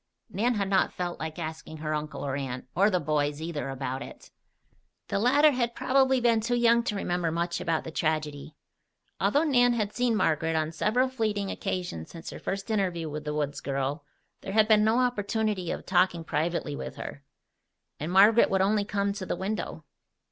Nan had not felt like asking her uncle or aunt, or the boys, either, about it. The latter had probably been too young to remember much about the tragedy. Although Nan had seen Margaret on several fleeting occasions since her first interview with the woods girl, there had been no opportunity of talking privately with her. And Margaret would only come to the window.